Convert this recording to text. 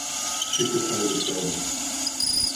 Chico estava de férias.